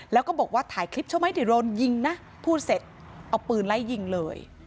แล้วก็บอกว่าถ่ายคลิปใช่ไหมที่โดนยิงนะพูดเสร็จเอาปืนไล่ยิงเลย